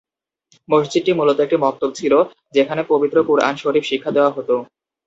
মসজিদটি মূলত একটি মক্তব ছিল, যেখানে পবিত্র কুরআন শরিফ শিক্ষা দেয়া হত।